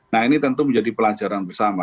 nah ini tentu menjadi pelajaran bersama